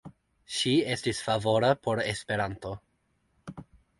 Ŝi estas favora por Esperanto.